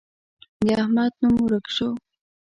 د احمد نوم ورک شو.